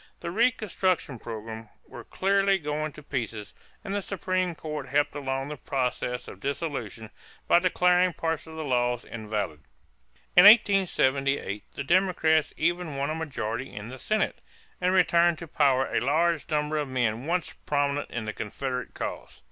The reconstruction program was clearly going to pieces, and the Supreme Court helped along the process of dissolution by declaring parts of the laws invalid. In 1878 the Democrats even won a majority in the Senate and returned to power a large number of men once prominent in the Confederate cause.